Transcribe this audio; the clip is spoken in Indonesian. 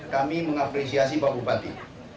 kami mengapresiasi bapak bupati